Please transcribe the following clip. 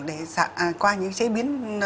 để qua những chế biến